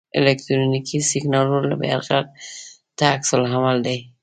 الکترونیکي سیګنالونو یرغل ته عکس العمل دی.